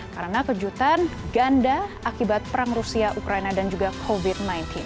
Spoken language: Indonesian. karena kejutan ganda akibat perang rusia ukraina dan juga covid sembilan belas